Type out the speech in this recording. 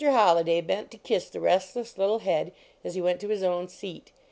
Holliday bent to kiss the restless little head as he went to his own seat.